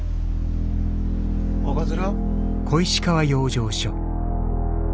赤面。